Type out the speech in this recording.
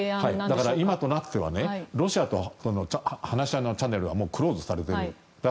だから今となってはねロシアと話し合いのチャンネルはもうクローズされている。